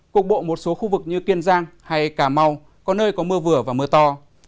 cục bộ một số khu vực như kiên giang hay cà mau có nơi có mưa vừa và mưa to